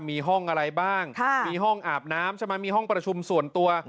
มีห้องอะไรบ้างมีห้องอาบน้ำใช่ไหมมีห้องประชุมส่วนตัว